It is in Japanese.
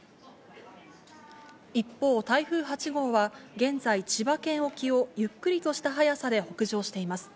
一方台風８号は現在、千葉県沖をゆっくりとした速さで北上しています。